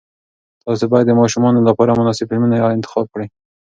تاسې باید د ماشومانو لپاره مناسب فلمونه انتخاب کړئ.